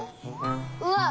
うわっ！